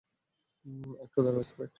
একটু দাঁড়াও, স্প্রাইট।